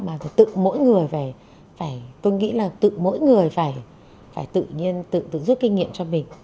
mà phải tự mỗi người phải tôi nghĩ là tự mỗi người phải tự nhiên tự rút kinh nghiệm cho mình